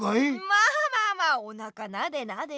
まあまあまあおなかなでなで。